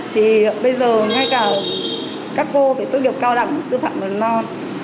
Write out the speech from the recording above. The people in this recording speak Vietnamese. thì bây giờ ngay cả các cô phải tốt nghiệp cao đẳng sư phạm mầm non